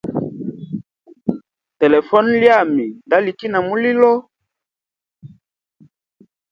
Telefone lyami nda liki na mulilo.